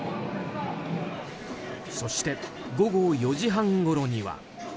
そして、午後４時半ごろには。